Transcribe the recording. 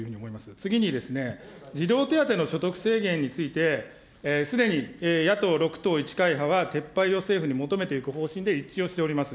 次にですね、児童手当の所得制限について、すでに野党６党１会派は撤廃を政府に求めていく方針で一致をしております。